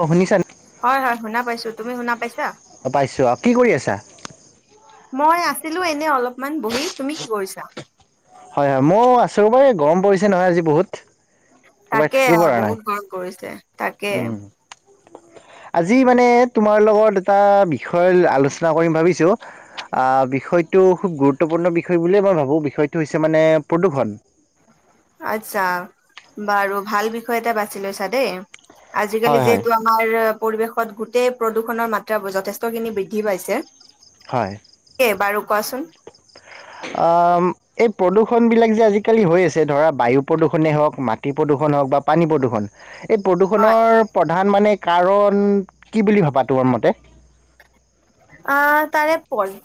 অ শুনিছা হয়, হয়। শুনা পাইছো, তুমি শুনা পাইছা? অঁ পাইছোঁ, কি কৰি আছা? মই আছিলো এনে অলপমান বহি, তুমি কি কৰিছা? হয়, হয়। মোৰ আছোঁ বাউ গৰম পৰিছে নহয় আজি বহুত। একেবাৰে তাকে থাকিব পৰা নাই বহুত গৰম পৰিছে। তাকে। উম আজি মানে তোমাৰ লগত এটা বিষয় আলোচনা কৰিম ভাবিছো আহ, বিষয়টো খুব গুৰুত্বপূৰ্ণ বিষয় বুলিয়ে মই ভাবো। বিষয়টো হৈছে মানে প্ৰদূষণ। আচ্ছা, বাৰু ভাল বিষয় এটা বাছি লৈছা দেই। হয় আজিকালি হয় যিহেতু আমাৰ পৰিৱেশত গোটেই প্ৰদূৰষণৰ মাত্ৰাবোৰ যথেষ্টখিনি বৃদ্ধি পাইছে হয়। এ বাৰু কোৱাচোন আ এই প্ৰদূষ প্ৰদূষণবিলাক যে আজিকালি হৈ আছে,। ধৰা বায়ু প্ৰদূষণে হওক, মাটি প্ৰদূষণ হওক বা পানী প্ৰদূষণ এই হয় প্ৰদূষণৰ প্ৰধান মানে কাৰণ কি বুলি ভাবা তোমাৰ মতে? আ তাৰে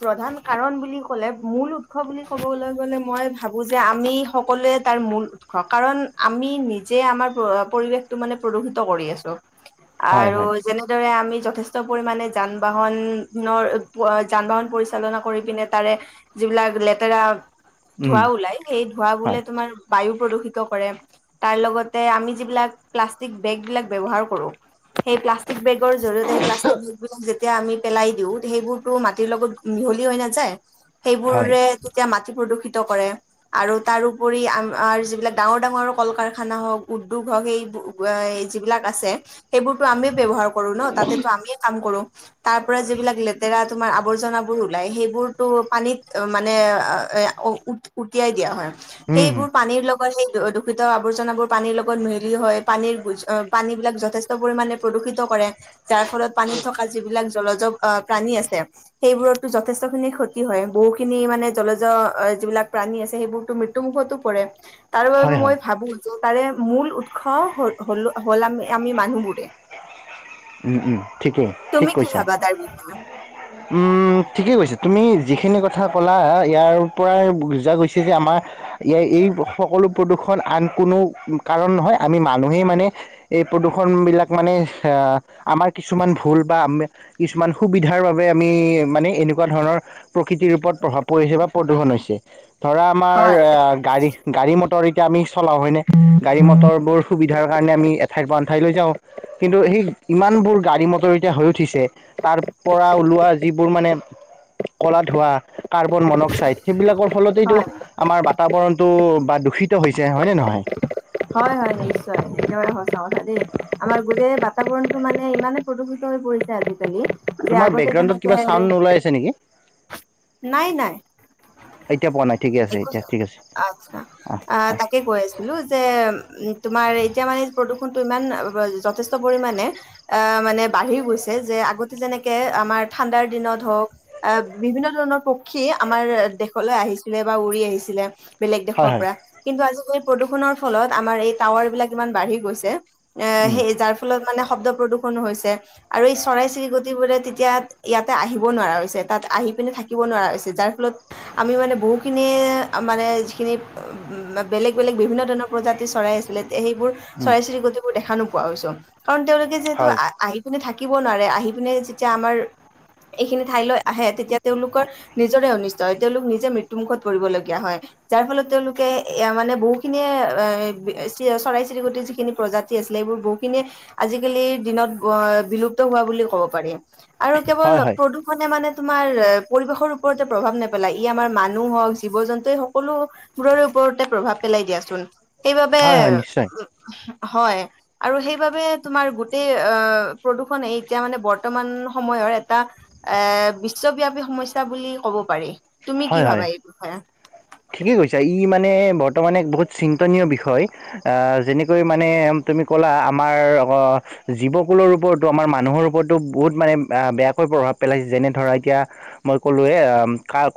প্ৰধান কাৰণ বুলি ক'লে মূল উৎস বুলি ক'বলৈ গলে মই ভাবো যে আমি সকলোৱে তাৰ মূল উৎস। কাৰণ আমি নিজে আমাৰ পৰিৱেশটো মানে প্ৰদূষিত কৰি আছো। হয় আৰু হয় যেনেদৰে আমি যথেষ্ট পৰিমাণে যান বাহন ধৰনৰ যান বাহন পৰিচালনা কৰি পিনে তাৰে যিবিলাক লেতেৰা উম ধোঁৱা ওলাই, সেই ধোঁৱা বোলে হয় তোমাৰ বায়ু প্ৰদূষিত কৰে, তাৰ লগতে আমি যিবিলাক প্লাষ্টিক বেগবিলাক ব্যৱহাৰ কৰোঁ, সেই প্লাষ্টিক বেগৰ জৰিয়তে সেই প্লাষ্টিক বেগ বিলাক যেতিয়া আমি পেলাই দিওঁ সেইবোৰটো মাটিৰ লগত মিহলি হৈ নাযায়। হয় সেইবোৰে তেতিয়া মাটি প্ৰদূষিত কৰে। আৰু তাৰ উপৰি, আম মাৰ যিবিলাক ডাঙৰ ডাঙৰ কল কাৰখানা হওক, উদ্যোগ হওক সেই বো আ এই যিবিলাক আছে সেইবোৰতো আমি ব্যৱহাৰ কৰো ন? তাতে আমিয়ে কাম কৰো। তাৰ পৰা যিবিলাক লেতেৰা তোমাৰ আৱৰ্জনাবোৰ ওলাই, সেইবোৰতো পানীত মানে আ আ উ উটি হয় দিয়া হয়, উম সেইবোৰ পানীৰ লগ গত দূষিত আৱৰ্জনাবোৰ পানীৰ লগত মিহেলি হয় পানীৰ পানী বিলাক যথেষ্ট পৰিমণে প্ৰদূষ ষিত কৰে যাৰ ফলত পানীত থকা যিবিলাক জলজ অ প্ৰাণী আছে সেইবোৰতটো যথেষ্ট খিনি ক্ষতি হয়। বহুখিনি মানে জলজ যিবিলাক প্ৰাণী আছে সেইবোৰতো মৃত্যুমুখতো পৰে, হয় তাৰবাবে হয় মই ভাবো তাৰে মূল উৎস হলো হ'ল আমি আমি মানুহবোৰে উম, উম। ঠিকেই, ঠিক তুমি কি কৈছা। ভাবা তাৰ বিষয়ে উম ঠিকেই কৈছা তুমি যিখিনি কথা ক'লা, ইয়াৰ পৰাই বুজা গৈছে যে আমাৰ এই সকলো প্ৰদূৰষণ আন কোনো কাৰণ নহয় আমি মানুহেই মানে এই প্ৰদূষণবিলাক মানে সা আমাৰ কিছুমান ভুল বা আম কিছুমান সুবিধাৰ বাবে আমি মানে এনেকুৱা ধৰণৰ প্ৰকৃতিৰ ওপৰত প্ৰভাৱ পৰিছে বা প্ৰদূষণ হৈছে। ধৰা আমাৰ হয় অ গাড়ী গাড়ী মটৰ এতিয়া আমি চলাওঁ হয়নে, গাড়ী মটৰবোৰ সুবিধাৰ কাৰণে আমি এঠাইৰ পৰা আন ঠাইলৈ যাওঁ কিন্তু সেই ইমানবোৰ গাড়ী মটৰ এতিয়া হৈ উঠিছে তাৰ পৰা ওলোৱা যিবোৰ মানে কলা ধোৱা কাৰ্বন মনক্সাইড সেইবিলাকৰ ফলতেটো হয় আমাৰ বাতাবৰণটো বা দূষিত হয়নে নহয় হয় হয় নিশ্চয়, একৰে হ চা দেই আমাৰ গোটেই বাতাবৰণটো মানে ইমানে প্ৰদূষিত হৈ পৰিছে আজিকালি, ত তোমাৰ আগতে বেকগ্ৰাউণ্ডত কিবা চাউণ্ড তেনেক ওলাই আছে নেকি নাই নাই এতিয়া পোৱা নাই ঠিকে আছে এতিয়া ঠিক আছে অ আ কি কৈ আছিলো যে, উম তোমাৰ এতিয়া মানে প্ৰদূষণ ইমান অ ব যথেষ্ট পৰিমানে, এ মানে বাঢ়ি গৈছে যে আগতে যেনেকে আমাৰ ঠাণ্ডাৰ দিনত হওক আহ বিভিন্ন ধৰণৰ পক্ষী আমাৰ দেশলৈ আহিছিলে বা উৰি আহিছিলে বেলেগ হয় দেশৰ হয় পৰা কিন্তু আজিকালি প্ৰদূষণৰ ফলত আমাৰ এই টাৱাৰ বিলাক ইমান বাঢ়ি গৈছে। এ উম, সেই যাৰ ফলত মানে শব্দ প্ৰদু প্ৰণো হৈছে আৰু এই চৰাই চিৰিকটিবোৰে তেতিয়া ইয়াতে আহিব নোৱাৰা হৈছে, তাত আহি পিনে থাকিব ব নোৱাৰা হৈছে, যাৰ ফলত আমি মানে বহুখিনি মানে যিখিনি বেলেগ বেলেগ বিভিন্ন ধৰণৰ প্ৰজাতিৰ চৰাই আছিলে সেইবোৰ উম, চৰাই চিৰিকতিিবোৰ দেখা নো পোৱা গছ কাৰণ তেওঁলোকে যিহেতু হয় আহি পিনে থাক থাকিব নোৱাৰে আহি পিনে যেতিয়া আমাৰ এইখিনি ঠাইলৈ আহে তেতিয়া তেওঁলোকৰ নিজৰে অন তেওঁলোক নিজে মৃত্যু মুুখত পৰিবলগীয়া হয় যাৰ ফলত তেওঁলোকে এ মানে বহুখিনিয়ে, এ চ চৰাই চিৰিকটিৰ যিখিনি প্ৰজাতি আছিলে এইবোৰ বহুখিনিয়ে আজিকালিৰ দিনত বিলুপ্ত হোৱা বুলি ক'ব পাৰি আৰু কেৱল হয় হয় প্ৰদূষণে মানে তোমাৰ পৰিবেশৰ ওপৰতে প্ৰভাৱ নেপেলায়, ই আমাৰ মানুহ হওক, জীৱ জন্তু সকলোবোৰৰে ওপৰতে প্ৰভাৱ পেলাই দিয়াচোন। সেইবাবে হয় হয়, নিশ্চয় হয়, আৰু সেইবাবে তোমাৰ গোটেই অ প্ৰদূষণে এতিয়া মানে বৰ্তমান সময়ত ধৰ এটা, এ বিশ্বব্যাপী সমস্যা বুলি ক'ব পাৰি। তুমি কি ভাবা এই বিষয়ে? ঠিকেই কৈছে ই মানে বৰ্তমানে এক বহুত চিন্তনীয় বিষয় আহ যেনেকৈ মানে তুমি ক'লা আমাৰ জীৱকুলৰ ওপৰতো আমাৰ মানুহৰ ওপৰতো বহুত মানে বে বেয়া প্ৰভাৱ পেলাইছে যেনে ধৰা এতিয়া মই ক'লোৱে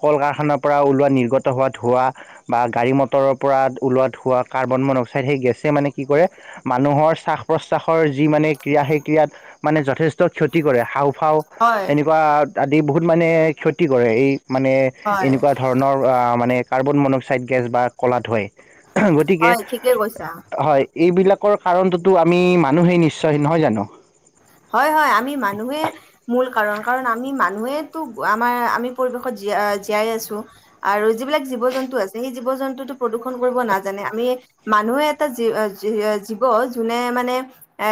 কল কাৰখানাৰ পৰা ওলোৱা নিৰ্গত ত হোৱা ধোৱা বা গাড়ী মটৰৰ পৰা ওলোৱা ধোৱা কাৰ্বন মন অক্সাইড সেই গেছে মানে কি কৰে মানুহৰ শ্বাস প্ৰশ্বাসৰ যি মানে ক্ৰীড়া সেই ক্ৰডিয়াত মানে যথেষ্ট ক্ষতি কৰে হা? খাওঁ হয়, এনেকুৱা আদি বহুত মানে ক্ষতি কৰে এই মানে হয়, এনেকুৱা ধৰণৰ মানে কাৰ্বন মনক্সাইড গেছ বা ক'লা ধয় গতিকে হয় ঠিকে কৈছা। হয় এইবিলাক। কাৰণটোতো আমি মানুহেই নিশ্চয় নহয় জানো? হয় হয় আমি মানুহে মূল কাৰণ, কাৰণ আমি মানুহেতো আমাৰ আমি পৰিৱেশত যি জ জীয়াই আছো আৰু যিবিলাক জীৱ জন্তু আছে সেই জীৱ জন্তু প্ৰদূ্ষন কৰিব নাজানে আমি মানুহে এটা জী জী জীৱ যোনে মানে এ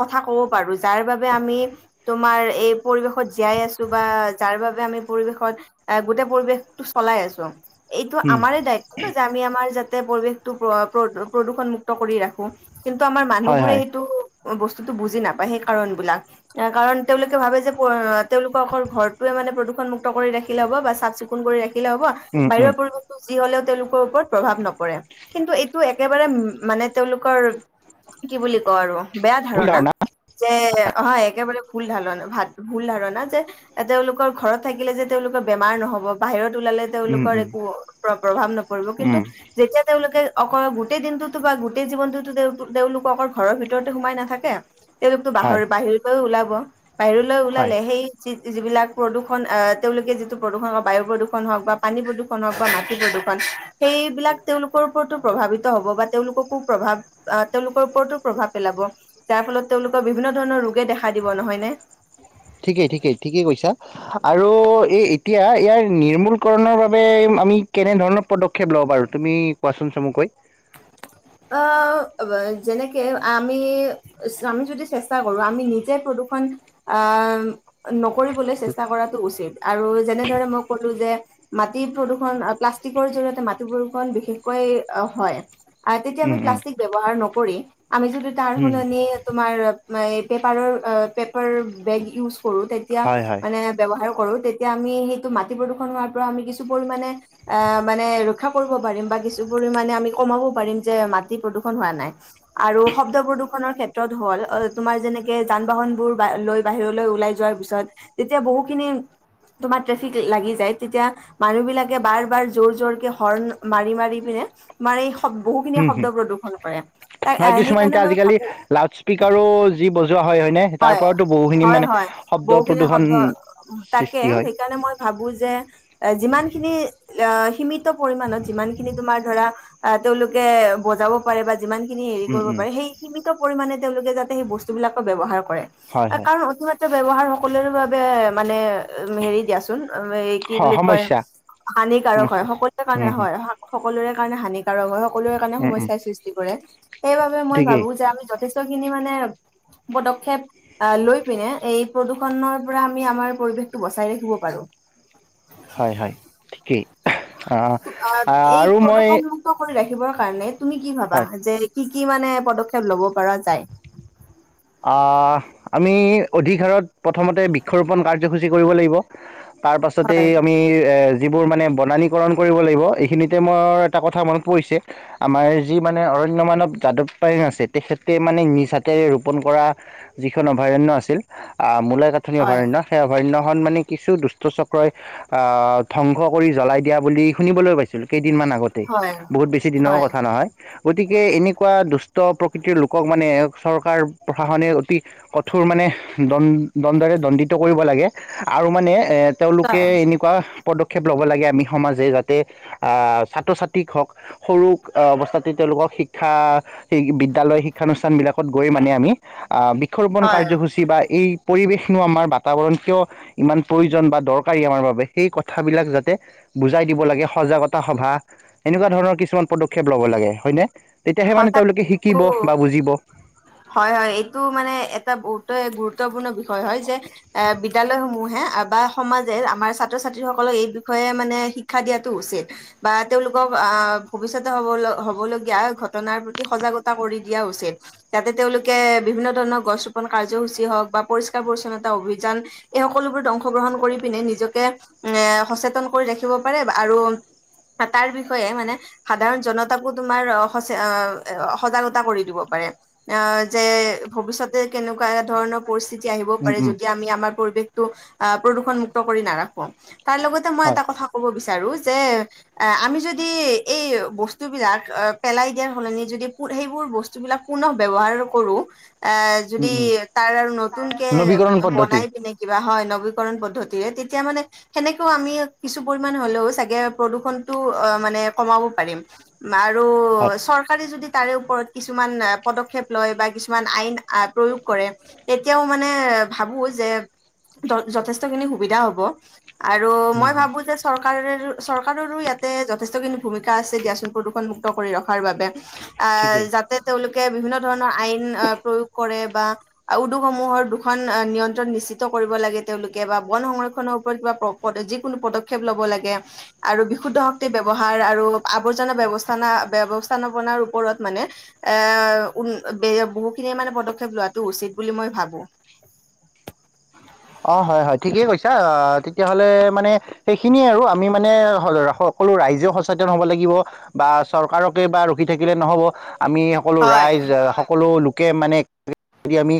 কথা হব পাৰো যাৰ বাবে আমি, তোমাৰ এই পৰিবেশত জীয়াই আছো বা যাৰ বাবে আমি পৰি পৰিৱেশত এ গোটেই পৰিৱেশটো চলাই আছো। এইটো উম, আমাৰ দায়িত্ব ন যে আমি আমাৰ যাতে পৰিৱেশটো প্ৰ প্ৰদু প্ৰদূষণমুক্ত কৰি ৰাখো। কিন্তু আমাৰ মানুহ হয় বোৰে হয় সেইটো বস্তু বাক কাৰণ তেওঁলোকে ভাবে তেওঁলোকৰৰে মে প্ৰণ মুক্ত কৰি ৰাখিলে হব বা চাফ চিকুণ কৰি ৰাখিলে হ'ব, উম উম, বাহিৰৰ পৰিৱেশটো যি হলেও তেওঁলোকৰ ওপৰত প্ৰভাৱ নপৰে কিন্তু এইটো একেবাৰে মানে তেওঁলোকৰ কি বুলি ক‌ও আৰু বেয়া ধাৰণা যে অহা একেব ভুল ধাৰণা ভাত ভুল ধাৰণা যে তেওঁলোকৰ ঘৰত থাকিলে যে তেওঁলোকৰ বেমাৰ নহব, বাহিৰত ওলালে উম তেওঁলোকৰ উম একো প্ৰভাৱ নপৰিব কিন্তু উম, যেতিয়া তেওঁলোকে অকল গোটেই দিনটোতো বা গোটেই জীৱনটোতো তেওঁলোকো অকল ঘৰৰ ভিতৰতে সোমাই নাথাকে। তেওঁলোকতো বাহ হয় বাহিৰলৈও ওলাব বাহিৰলৈ হয় ওলালে সেই যি যিবিলাক প্ৰদূষণ, এ তেওঁলোকে যিটো প্ৰদূষণ, বায়ু প্ৰদূষণ হওক বা পানী প্ৰদূষণ হওক বা মাটি প্ৰদূষণ সেইবিলাক তেওঁলোকৰ ওপৰতো প্ৰভাৱিত হ'ব বা তেওঁলোককো প্ৰভাৱ, আহ তেওঁলোকৰ ওপৰতো প্ৰভাৱ পেলাব যাৰ ফলত তেওঁলোকৰ বিভিন্ন ধৰণৰ ৰোগে দেখা দিব নহয় নে? ঠিকেই-ঠিকেই-ঠিকেই কৈছা আৰু এই এতিয়া ইয়াৰ নিৰ্মূলকৰণৰ বাবে আমি কেনে ধৰণৰ পদক্ষেপ লওঁ বাৰু তুমি কোৱাচোন চমুকৈ? উ [inaudible] অ যেনেকে আমি-আমি যদি চেষ্টা কৰো, আমি নিজে প্ৰদূষণ আ আম, নকৰিবলৈ চেষ্টা কৰাটো উচিত আৰু যেনেদৰে মই ক'লোঁ যে মাটি প্ৰদূৰণ প্লাষ্টিকৰ জৰিয়তে মাটি প্ৰদূৰ্ষণ বিশেষকৈ হয়। আ, তেতিয়া উম আমি প্লাষ্টিক ব্যৱহাৰ নকৰি, আমি যদি তাৰ উম, সলনি তোমাৰ এই পেপাৰৰ, অ পেপাৰ বেগ ইউজ কৰো তেতিয়া হয় হয় মানে ব্যৱহাৰ কৰোঁ তেতিয়া আমি সেইটো মাটি প্ৰদূষণ হোৱাৰ পৰা আমি কিছু পৰিমাণে, আ মানে ৰ ৰক্ষা কৰিব পাৰিম বা কিছু পৰিমাণে আমি কমাব পাৰিম যে মাটি প্ৰদূষণ হোৱা নাই৷ আৰু শব্দ প্ৰদূষণৰ ক্ষেত ত হল অ তোমাৰ যেনেকে যান বাহন বোৰ লৈ বাহিৰলৈ ওলাই যোৱাৰ পিছত তেতিয়া বহুখিনি তোমাৰ ট্ৰেফিক লাগি যায় তেতিয়া মানুহ বিলাকে বাৰ-বাৰ জোৰ-জোৰ কে হৰ্ণ মাৰি-মাৰি পিনে তোমাৰ এই বহুখিনি উম উম। শব্দ প্ৰদূ্ষন কৰে তাৰ আৰু কিছুমান সেইকাৰণে এতিয়া মই আজিকালি ভাবো লাউড স্পীকাৰো যি বজোৱা হয় হয়নে তাৰ হয়- পৰাওতো বহুখিনি মানে হয়-হয় শব্দ বহুখিনি প্ৰদূষণ শব্দ তাকে সৃষ্টি হয় সেইকাৰণে মই ভাবো ভাবো যে যিমানখিনি সীমিত পৰিমানত যিমান খিনি তোমাৰ ধৰা তেওঁলোকে বজাব পাৰে বা যিমান খিনি হেৰি উম কৰিব উম পাৰে সেই সীমিত পৰিমাণে তেওঁলোকে যাতে সেই বস্তু বিলাকো ব্যৱহাৰ ক কৰে হয় হয় কাৰণ অতিমাত্ৰ ব্যৱহাৰ সকলৰ বাবে মানে হেৰি দিয়াচোন। এই কি বুলি কয় সমস্যা হানিকাৰক হয়। সমস্যা সকলোৰে উম কাৰণে হুম হয়, সকলোৰে কাৰণে হানি তাৰ সকলোৰে কাৰণে উম উম সমস্যাৰ সৃষ্টি কৰে সেইবাবে মই ঠিকেই ভাবো যে আমি যথেষ্ট খিনি মানে পদক্ষেপ আহ লৈ পিনে এই প্ৰদূৰ্ষনৰ পৰা আমি আমাৰ পৰিৱেশটো বচাই ৰাখিব পাৰো। হয় হয় ঠিকেই আহ এই আৰু মই প্ৰদূষণমুক্ত কৰি ৰাখি কাৰণে তুমি কি ভাবা? হয় যে কি-কি মানে পদক্ষেপ লব পৰা যায়? আহ আমি অধিক হাৰত প্ৰথমতে বৃক্ষৰোপণ কাৰ্যসূচী কৰিব লাগিব ৷ তাৰ পাছতে হয় আমি এ যিবোৰ মানে বনানীকৰণ কৰিব লাগিব এইখিনিতে মোৰ এটা কথা মনত পৰিছে আমাৰ যি মানে অ অৰণ্য মানৱ যাদৱ পায়েং আছে, তেখেতে মানে নিজ হাতে কৰা যিখন অভয়াৰণ্য আছিল, মূলাইকাথনি হয় অভয়াৰণ্য সেই অভয়াৰণ্য মানে কিছু দুষ্ট চক্ৰই ধ্বংস কৰি জ্বলাই দিয়া বুলি শুনিবলৈ পাইছিলো সেই দিনমান আগতেই হয় বহুত বেছি দিনৰ কথা নহয়৷ গতিকে এনেকুৱা দুষ্ট প্ৰকৃতিৰ লোকক মানে চৰকাৰ প্ৰশাসনে অতি কঠোৰ মানে দন দণ্ডৰে দণ্ডিত কৰিব লাগে আৰু মানে এ তেওঁলোকে হয় এনেকুৱা পদক্ষেপ ল'ব লাগে আমি সমাজে, যাতে আ ছাত্ৰ- ছাত্ৰীক হওক সৰু অৱস্থাতে তেওঁলোকক শিক্ষা বিদ্যালয় শিক্ষানুষ্ঠানবিলাকত গৈ মানে আমি আ বৃক্ষৰোপণ হয় কাৰ্যসূচী বা এই পৰিৱেশনো আমাৰ বাতাবৰণ কিয় ইমান প্ৰয়োজন বা দৰকাৰী আমাৰ বাবে সেই কথাবিলাক যাতে বুজাই দিব লাগে সজাগতা সভা এনেকুৱা ধৰণৰ কিছুমান পদক্ষেপ ল'ব লাগে হয়নে? তেতিয়াহে মানে তেওঁলোকে শিকিব সঁচাকো বা বুজিব। টো মানে এটা বহুতে গুৰুত্বপূৰ্ণ বিষয় হয় যে এ বিদ্যালয় সমূহে বা সমাজ আমাৰ ছাত্ৰ ছাত্ৰীসকলক এই বিষয়ে মানে শিক্ষা দিয়াটো উচিত বা তেওঁলোকক আহ ভৱিষ্য- তে হব হ'বলগীয়া ঘট ঘটনাৰ প্ৰতি সজাগতা কৰি দিয়া উচিত যাতে তেওঁলোকে বিভিন্ন ধৰণৰ গছ ৰোপন কাৰ্যসূচী হওঁক। বা পৰিষ্কাৰ পৰিচ্ছন্নতা অভিযান এই সকলোবোৰত অংশগ্ৰহণ কৰি পিনে নিজকে এ সচেতন। ৰাখিব পাৰে আৰু তাৰ বিষয়ে মানে সাধাৰণ জনতাকো তোমাৰ। হৈছে অ সজাগতা কৰি দিব পাৰে আহ যে ভৱিষ্যতে কেনেকুৱা ধৰণৰ পৰি- আহিব উম পাৰে। উম যদি আমি আমাৰ পৰিৱেশটো আহ প্ৰদূষণমুক্ত কৰি নাৰাখো তাৰ লগতে মই হয় এটা কথা ক'ব বিচ- চাৰো যে, আমি যদি এই বস্তু বিলাক পেলাই দিয়াৰ সলনি যদি সেইবোৰ বস্তুবিলাক পুনৰ ব্যৱহাৰ কৰোঁ। এ, উম যদি উম তাৰ আৰু নতুন কে নবীকৰণ পদ্ধতি বনাই পিনে কিবা হয় ন। ভূমিকৰণ পদ্ধতিৰে তেতিয়া মানে সেনেকেও আমি কিছু পৰিমাণ হ'লেও ছাগে প্ৰদূষণ টো অ মানে কমাব পাৰিম আৰু হয় চৰকাৰে যদি তাৰ ওপৰত কিছুমান পদক্ষেপ লয় কিছুমান আইন প্ৰয়োগ কৰে তেতিয়া ও মানে ভাবো যে যথেষ্ট খিনি সুবিধা হ'ব। আৰু মই উম ভাবো যে চৰকাৰেৰেও চৰকাৰোৰো ইয়াতে যথেষ্টখিনি ভূমিকা আছে দিয়া চোন প্ৰদূষণ মুুক্ত কৰি ৰখাৰ বাবে। আহ ঠিকেই যাতে তেওঁলোক বিভিন্ন ধৰণৰ আইন প্ৰয়োগ কৰে বা উদ্যোগসমূহৰ দুখন নিয়ন্ত্ৰণ নিশ্চিত কৰিব লাগে তেওঁলোকে বা বন সংৰক্ষনৰৰ ওপৰত কিবা যিকোনো পদক্ষেপ ল'ব লাগে আৰু বিশু শক্তি ব্যৱহাৰ আৰু আৱৰ্জনা ব্যৱস্থানা ব্যৱস্থান পনাৰ ওপৰত মানে এ উ বহুখিনিয়ে মানে পদক্ষেপ লোৱাটো উচিত। বুলি মই ভাবো। [inaudible] অ' হয়, হয় ঠিকেই কৈছা। তেতিয়াহ'লে মানে সেইখিনিয়ে আৰু আমি মানে ৰাখক সকলো ৰাইজে সচেতন হ'ব লাগিব বা চৰকাৰকে বা ৰখি থাকিলে নহ'ব। আমি সকলো হয়। ৰাইজ সকলো লোক মানে য আমি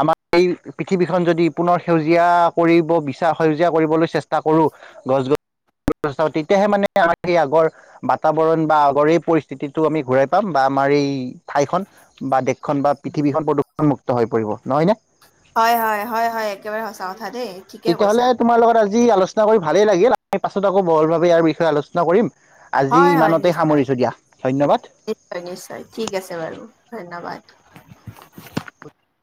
আমাৰ এই পৃথিৱীখন যদি পুনৰ সেউজীয়া কৰিব বিচাৰ সেউজীয়া কৰিবলৈ চেষ্টা কৰোঁ। গছ-গছ তেতিয়াহে মানে আমাৰ সেই আগৰ বাতাবৰণ বা আগৰ এই পৰিস্থিতিটো আমি ঘূৰাই পাম বা আমাৰ এই ঠাই খন বা দেশখন বা পৃথিৱীখন প্ৰদূষণ মুুক্ত হৈ পৰিব নহয় নে? হয়, হয়, হয়, হয় একেবাৰে সঁচা কথা দেই ঠিকেই কৈছা। যি আলোচনা কৰি ভালেই লাগিল আমাৰ, পাছত আকৌ বহলভাৱ ইয়াৰ বিষয়ে আলোচনা কৰিম। আজি হয় হয় ইমানতে নিশ্চয় সামৰিছো দিয়া ধন্যবাদ। নিশ্চয় নিশ্চয় ঠিক আছে বাৰু ধন্যবাদ। [unintelligible] [unintelligible]